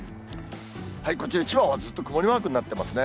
こちら千葉はずっと曇りマークになっていますね。